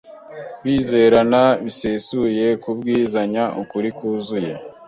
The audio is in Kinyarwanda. kwizerana bisesuye, kubwizanya ukuri kuzuye